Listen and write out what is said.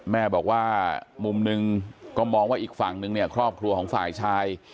แม่บอกว่ามุมหนึ่งก็มองว่าอีกฝั่งนึงเนี่ยครอบครัวของฝ่ายชาย